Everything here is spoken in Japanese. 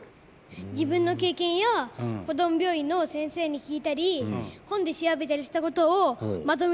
自分の経験やこども病院の先生に聞いたり本で調べたりしたことをまとめたものです。